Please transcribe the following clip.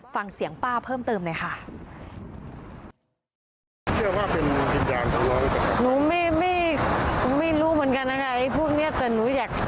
ฟังเสียงป้าเพิ่มเติมหน่อยค่ะ